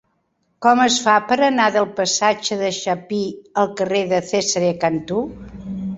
Com es fa per anar del passatge de Chapí al carrer de Cesare Cantù?